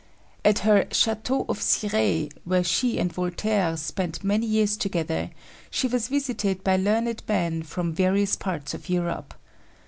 At her Chateau of Cirey, where she and Voltaire spent many years together, she was visited by learned men from various parts of Europe.